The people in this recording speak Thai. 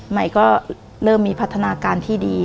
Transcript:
หมายก็เริ่มมีพัฒนาคม